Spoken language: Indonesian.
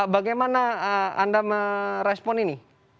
bagaimana anda merespon ini